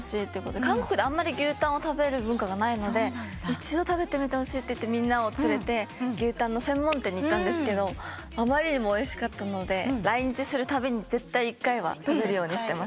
韓国であんまり牛タンを食べる文化がないので一度食べてみてほしいとみんなを連れて牛タンの専門店に行ったんですけどあまりにもおいしかったので来日するたびに絶対１回は食べるようにしてます。